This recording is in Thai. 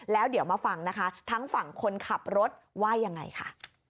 แล้วเดี๋ยวมาฟังนะคะทั้งฝั่งคนขับรถว่ายังไงค่ะ